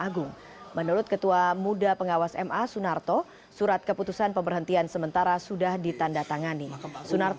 agus mengatakan bahwa tidak ada toleransi bagi pegawai pengadilan yang terlibat kasus pidana dan gratifikasi